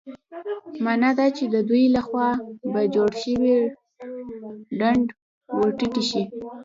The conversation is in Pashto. مانا دا چې د دوی له خوا په جوړ شوي ډنډ ورټيټې شي.